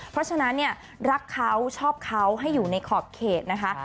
เพราะฉะนั้นเนี่ยรักเขาชอบเขาให้อยู่ในขอบเขตนะคะ